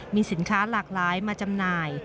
มีสินค้าหลากหลายมาจำหน่าย